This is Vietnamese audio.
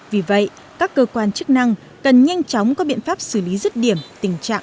vì vậy các cơ quan chức năng cần nhanh chóng có biện pháp xử lý rất đơn giản